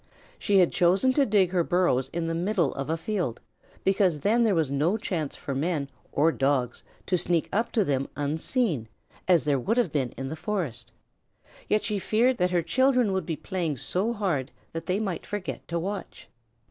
She had chosen to dig her burrows in the middle of a field, because then there was no chance for men or Dogs to sneak up to them unseen, as there would have been in the forest, yet she feared that her children would be playing so hard that they might forget to watch.